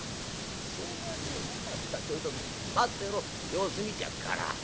しょうがねえなちょいと待ってろ様子見てやっから。